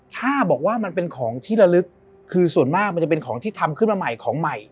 ถ้าบอกว่ามันเป็นของที่ละลึกคือส่วนมากมันจะเป็นของที่ทำขึ้นมาใหม่ของใหม่